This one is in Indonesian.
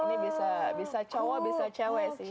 ini bisa cowok bisa cewek sih